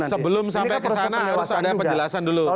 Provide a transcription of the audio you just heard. sebelum sampai kesana harus ada penjelasan dulu pak pak